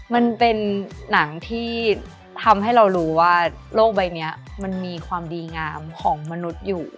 มันเป็นหนังที่ทำให้เรารู้ว่าโลกใบนี้มันมีความดีงามของมนุษย์อยู่